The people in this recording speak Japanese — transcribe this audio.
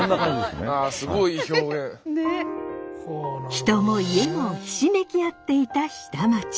人も家もひしめき合っていた下町。